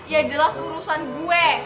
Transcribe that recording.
ya jelas urusan gue